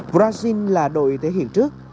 brazil là đội thể hiện trước